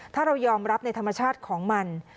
ถ้าเรายอมรับในธรรมชาติของมัน